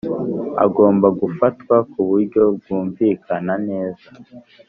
Agomba gufatwa ku buryo bwumvikana neza